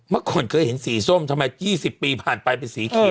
เมื่อก่อนเคยเห็นสีส้มทำไม๒๐ปีผ่านไปเป็นสีเขียว